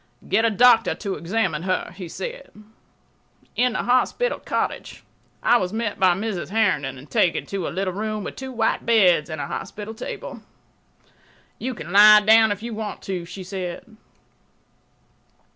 "Get a doctor to examine her," he said. In the hospital cottage I was met by Mrs. Herndon and taken to a little room with two white beds and a hospital table. "You can lie down if you want to," she said.